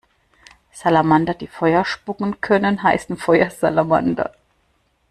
Salamander, die Feuer spucken können, heißen Feuersalamander.